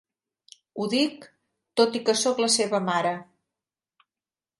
Ho dic, tot i que sóc la seva mare.